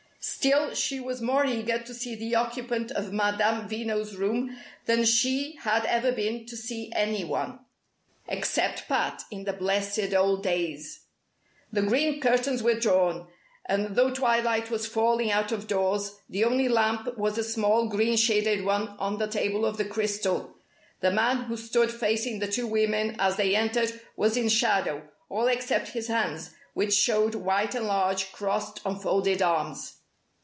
Still, she was more eager to see the occupant of Madame Veno's room than she had ever been to see any one except Pat, in the blessed old days. The green curtains were drawn, and though twilight was falling out of doors the only lamp was a small green shaded one on the table of the crystal. The man who stood facing the two women as they entered was in shadow, all except his hands, which showed white and large, crossed on folded arms.